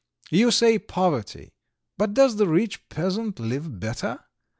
You say poverty, but does the rich peasant live better?